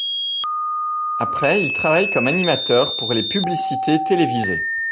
Après il travaille comme animateur pour les publicités télévisées.